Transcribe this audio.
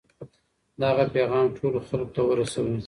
دغه پیغام ټولو خلکو ته ورسوئ.